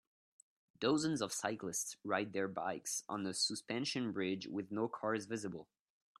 Dozens of cyclists ride their bikes on a suspension bridge with no cars visible